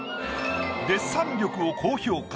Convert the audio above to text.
デッサン力を高評価。